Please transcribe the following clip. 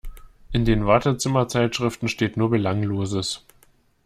In den Wartezimmer-Zeitschriften steht nur Belangloses.